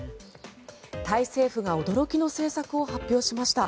タイ政府が驚きの政策を発表しました。